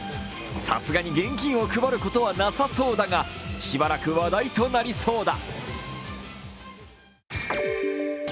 さすがに現金を配ることはなさそうだが、しばらく話題となりそうだ。